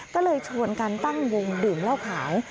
ก็เลยชวนกันตั้งวงดื่มเหล้าขาว